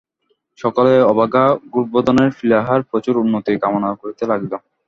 সকলেই অভাগা গোবর্ধনের প্লীহার প্রচুর উন্নতি কামনা করিতে লাগিল।